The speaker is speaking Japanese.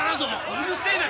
うるせえな！